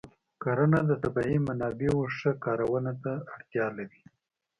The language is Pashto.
کرنه د طبیعي منابعو ښه کارونه ته اړتیا لري.